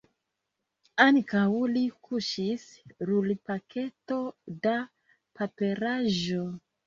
Antaŭ li kuŝis rulpaketo da paperaĵo.